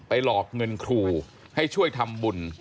หลอกเงินครูให้ช่วยทำบุญ